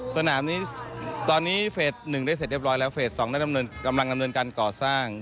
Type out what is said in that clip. สนามนี้ตอนนี้เฟส๑ได้เสร็จเรียบร้อยแล้วเฟส๒ได้กำลังดำเนินการก่อสร้าง